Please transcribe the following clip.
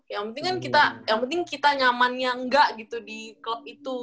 yang penting kan kita nyamannya enggak gitu di klub itu